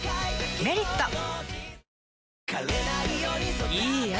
「メリット」いい汗。